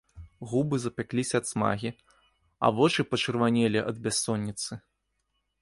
Губы запякліся ад смагі, а вочы пачырванелі ад бяссонніцы.